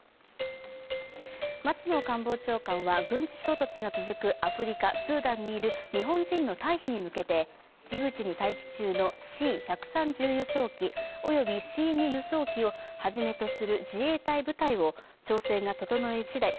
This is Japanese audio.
松野官房長官は、軍事衝突が続くアフリカ・スーダンにいる日本人の退避に向けて、ジブチに待機中のＣ１３０輸送機及び、Ｃ２輸送機をはじめとする自衛隊部隊を調整が整いしだい